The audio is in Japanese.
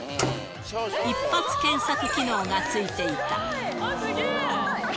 一発検索機能がついていた。